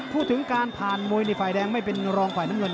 พูดถึงการผ่านมวยไฟแดงไม่เป็นรองไฟน้ำลนน่ะ